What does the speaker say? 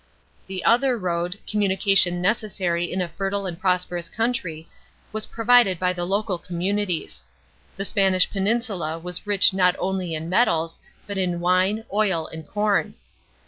The other road communication necessary in a fertile and prosperous country, was provided by the local communities. The Spanish peninsula was rich not only in metals, but in wine, oil, and corn.